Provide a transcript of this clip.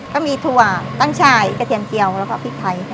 ถั่วตั้งชายกระเทียมเจียวแล้วก็พริกไทย